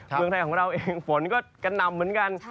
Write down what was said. เมืองไทยของเราเองฝนก็กระหน่ำเหมือนกัน